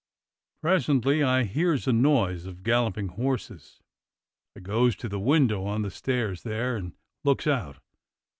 Presently I hears a noise of galloping horses. I goes to the window on the stairs there, and looks out.